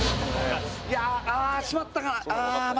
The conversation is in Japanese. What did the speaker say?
いやああしまったかな。